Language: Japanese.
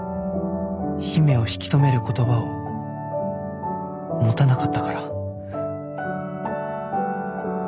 姫を引き止める言葉を持たなかったから。